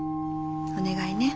お願いね。